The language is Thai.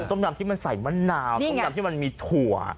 ต้มยำที่มันใส่มะนาวต้มยำที่มันมีถั่ว